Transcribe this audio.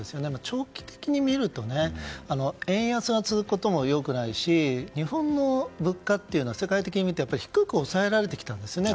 長期的に見ると円安が続くことも良くないし日本の物価というのは世界的に見て低く抑えられてきたんですよね